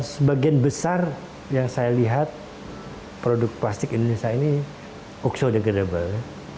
sebagian besar yang saya lihat produk plastik indonesia ini okso degradable